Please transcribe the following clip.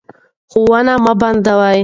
ښوونه مه بندوئ.